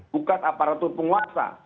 bukan aparatur penguasa